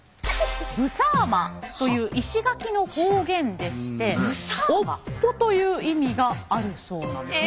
ブサーマという石垣の方言でして尾っぽという意味があるそうなんですね。